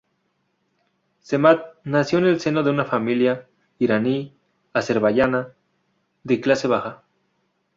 Samad nació en el seno de una familia iraní azerbaiyana de clase baja.